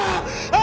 あ！